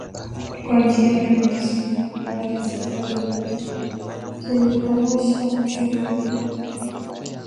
kwa njia ya mateso na kwa kuwa na sera ambazo ziliporomosha uchumi wa Cuba